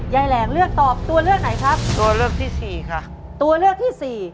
แหลงเลือกตอบตัวเลือกไหนครับตัวเลือกที่สี่ค่ะตัวเลือกที่สี่